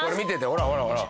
ほらほらほら。